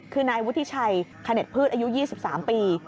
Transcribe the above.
คือนายวุฒิชัยคเนตพืชอายุยี่สิบสามปี